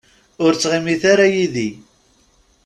Ur ttɣimimt ara yid-i.